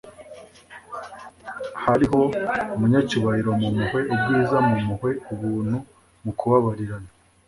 hariho umunyacyubahiro mu mpuhwe, ubwiza mu mpuhwe, ubuntu mu kubabarirana